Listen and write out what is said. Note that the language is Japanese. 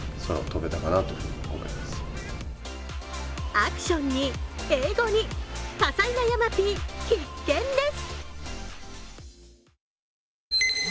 アクションに、英語に、多才な山Ｐ必見です。